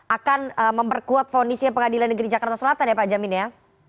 akan memperkuat fonisnya pengadilan negeri jakarta selatan ya pak jamin ya